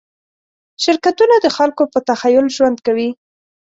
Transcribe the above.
شرکتونه د خلکو په تخیل ژوند کوي.